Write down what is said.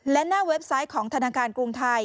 และหน้าเว็บไซต์ของธนาคารกรุงไทย